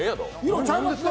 色、ちゃいますね。